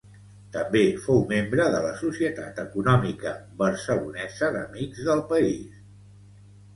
També fou membre de la Societat Econòmica Barcelonesa d'Amics del País.